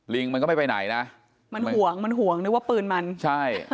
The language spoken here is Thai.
มันก็ไม่ไปไหนนะมันห่วงมันห่วงนึกว่าปืนมันใช่